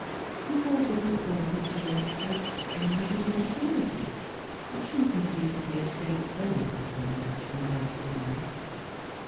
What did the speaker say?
He thought of his God habitually as '^ inhabiting eternity," which he conceived to be a state very far removed from earthly life.